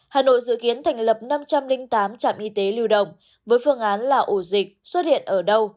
hà nội dự kiến thành lập năm trăm linh tám trạm y tế lưu động với phương án là ổ dịch xuất hiện ở đâu